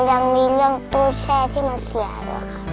ยังมีเรื่องตู้แช่ที่มันเสียอยู่ค่ะ